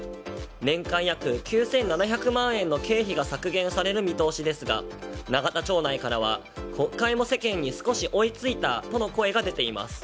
年間約９７００万円の経費が削減される見通しですが永田町内からは国会も世間に少し追いついたとの声が出ています。